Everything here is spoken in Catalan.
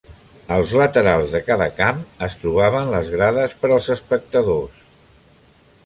Als laterals de cada camp es trobaven les grades per als espectadors.